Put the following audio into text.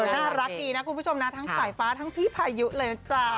น่ารักดีนะคุณผู้ชมนะทั้งสายฟ้าทั้งพี่พายุเลยนะจ๊ะ